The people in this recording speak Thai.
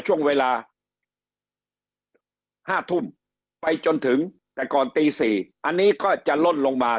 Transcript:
ช่วงเวลา๕ทุ่มไปจนถึงแต่ก่อนตี๔อันนี้ก็จะล่นลงมา